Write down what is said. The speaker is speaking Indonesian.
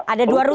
ada dua rute